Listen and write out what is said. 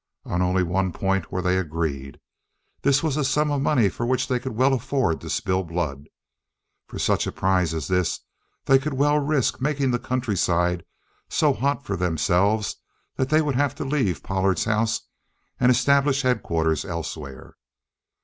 On only one point were they agreed. This was a sum of money for which they could well afford to spill blood. For such a prize as this they could well risk making the countryside so hot for themselves that they would have to leave Pollard's house and establish headquarters elsewhere.